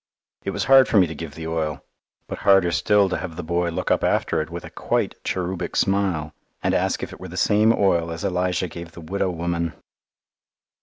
It was hard for me to give the oil, but harder still to have the boy look up after it with a quite cherubic smile, and ask if it were the same oil as Elisha gave the widow woman!